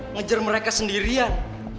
ngejar mereka sendirian